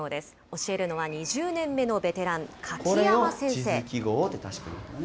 教えるのは２０年目のベテラン、柿山先生。